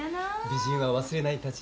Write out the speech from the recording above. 美人は忘れないたちで。